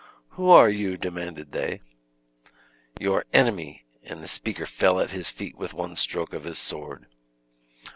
"Who are you?" demanded they. "Your enemy;" and the speaker fell at his feet with one stroke of his sword.